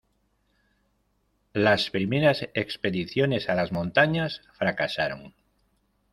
Las primeras expediciones a las montañas fracasaron.